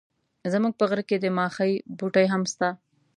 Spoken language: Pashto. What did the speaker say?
زموږ په غره کي د ماخۍ بوټي هم سته.